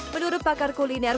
menurut pakar kuliner